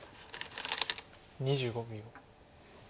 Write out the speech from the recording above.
２５秒。